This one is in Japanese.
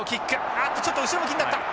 あちょっと後ろ向きになった。